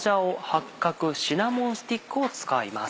八角シナモンスティックを使います。